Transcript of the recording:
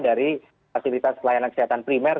dari fasilitas pelayanan kesehatan primer